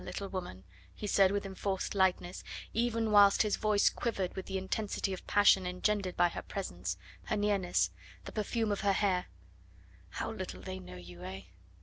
little woman," he said with enforced lightness, even whilst his voice quivered with the intensity of passion engendered by her presence, her nearness, the perfume of her hair, "how little they know you, eh?